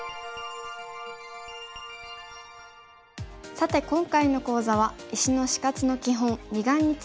さて今回の講座は石の死活の基本二眼について学びました。